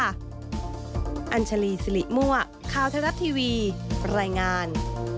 อัญชลีสิริมั่วข่าวไทยรัฐทีวีรายงาน